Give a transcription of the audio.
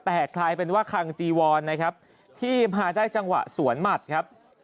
แต่กลายเป็นว่าคังจีวอนนะครับที่พาได้จังหวะสวนหมัดครับ